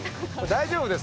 大丈夫ですか？